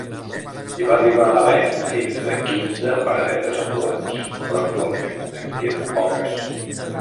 Hi va arribar a haver fins a quinze paradetes ambulants, però actualment en queden poques.